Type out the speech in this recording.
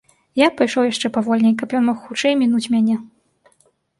Я пайшоў яшчэ павольней, каб ён мог хутчэй мінуць мяне.